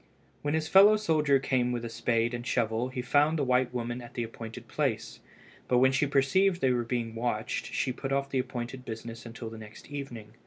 When his fellow soldier came with his spade and shovel he found the white woman at the appointed place, but when she perceived they were watched she put off the appointed business until the next evening.